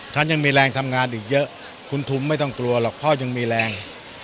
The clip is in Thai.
ท่านยังมีแรงทำงานอีกเยอะคุณทุมไม่ต้องกลัวหรอกพ่อยังมีแรง